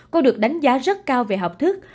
cô được đánh giá rất cao về học thức